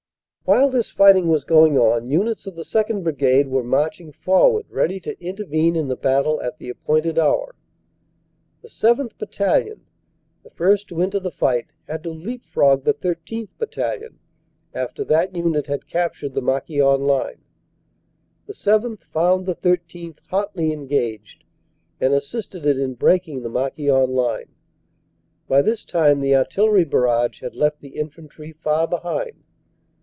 "While this fighting was going on units of the 2nd. Brigade were marching forward ready to intervene in the battle at the appointed hour. The 7th. Battalion, the first to enter the fight, had to leap frog the 13th. Battalion, after that unit had cap tured the Marquion Line. The 7th. found the 13th. hotly en gaged, and assisted it in breaking the Marquion line. By this time the artillery barrage had left the infantry far behind.